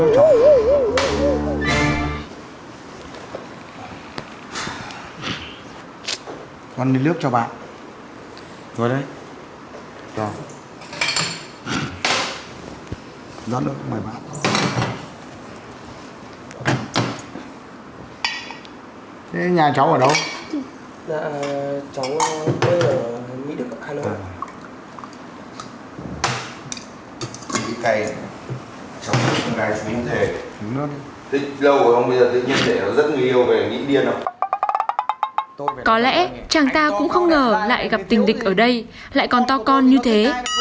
có lẽ chàng ta cũng không ngờ lại gặp tình địch ở đây lại còn to con như thế